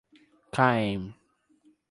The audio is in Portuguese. Caém